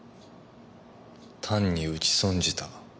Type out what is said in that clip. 単に撃ち損じた。